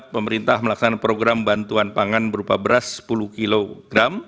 pemerintah melaksanakan program bantuan pangan berupa beras sepuluh kg